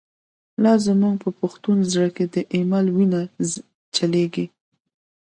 لا زمونږ په پښتون زړه کی، « د ایمل» وینه چلیږی